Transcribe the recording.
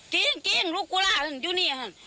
ซึ้งกิ้งติ้งลูกกุล่าอยู่นี่